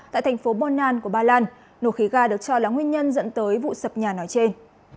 tại thành phố bonan của ba lan nổ khí ga được cho là nguyên nhân dẫn tới vụ sập nhà nói trên